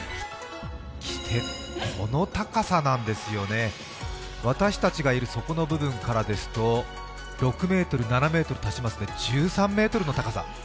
この高さなんですよね、私達がいる底の部分からですと、６ｍ、７ｍ足しますので１３ｍの高さ。